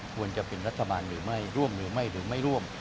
ควรจะเป็นรัฐบาลหรือไม่ร่วมหรือไม่หรือไม่ร่วม